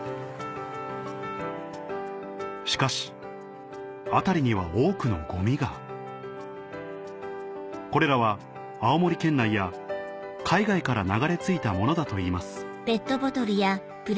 しかし辺りには多くのゴミがこれらは青森県内や海外から流れ着いたものだといいます